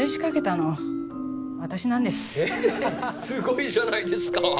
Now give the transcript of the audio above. すごいじゃないですか！